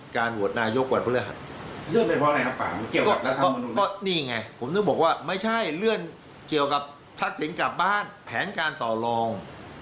ก็นี่ไงผมต้องบอกว่าไม่ใช่เรื่องเกี่ยวกับทักษิณกลับบ้านแผนการต่อลอง